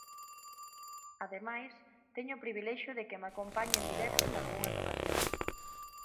Ademais, teño o privilexio de que me acompañe en directo nalgunhas ocasións.